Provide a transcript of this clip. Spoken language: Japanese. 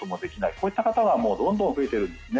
こういった方がどんどん増えているんですね。